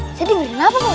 lah saya dengerin apa